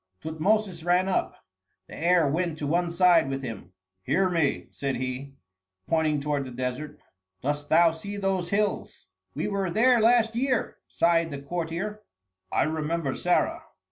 Tutmosis ran up. The heir went to one side with him. "Hear me," said he, pointing toward the desert. "Dost thou see those hills?" "We were there last year," sighed the courtier. "I remember Sarah."